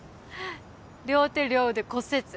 両手両腕骨折